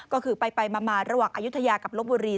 ก็คือไปมาระหว่างอายุทยากับลบบุรี